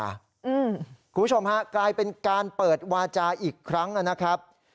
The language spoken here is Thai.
คุณผู้ชมฮะกลายเป็นการเปิดวาจาอีกครั้งนะครับ